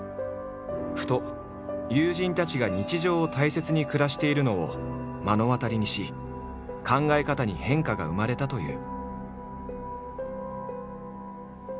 ふと友人たちが日常を大切に暮らしているのを目の当たりにし考え方に変化が生まれたという。